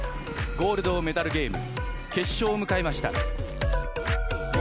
ゴールドメダルゲーム決勝を迎えました。